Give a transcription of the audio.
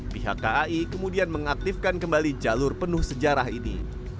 pihak kai kemudian mengaktifkan kembali jalur penuh sejarah ini